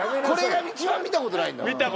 これが一番見たことないんだもん